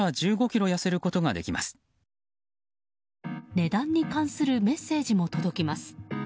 値段に関するメッセージも届きます。